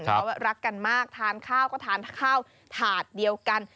เขารักกันมากทานข้าวก็ทานข้าวถาดเดียวกัน